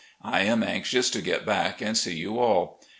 I am anxious to get back and see you all.